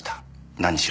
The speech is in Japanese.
何しろ。